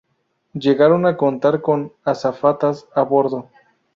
Llegaron a contar con azafatas a bordo.